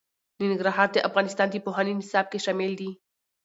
ننګرهار د افغانستان د پوهنې نصاب کې شامل دي.